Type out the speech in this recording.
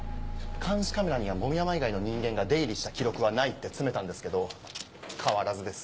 監視カメラには籾山以外の人間が出入りした記録はないって詰めたんですけど変わらずです。